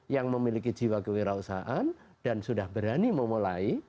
yang memiliki jiwa kewirausahaan dan sudah berani memulai